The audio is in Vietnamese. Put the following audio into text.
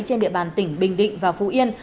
trên địa bàn tỉnh bình định và phú yên